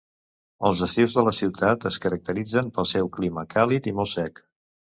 Els estius de la ciutat es caracteritzen pel seu clima càlid i molt sec.